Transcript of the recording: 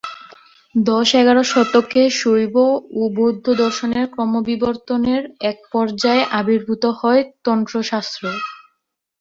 দশ-এগারো শতকে শৈব ও বৌদ্ধ দর্শনের ক্রমবিবর্তনের এক পর্যায়ে আবির্ভূত হয় তন্ত্রশাস্ত্র।